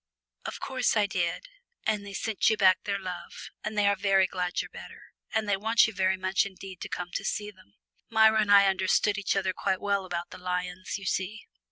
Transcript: "Of course I did, and they sent you back their love, and they are very glad you're better, and they want you very much indeed to come to see them." Myra and I understood each other quite well about the lions, you see.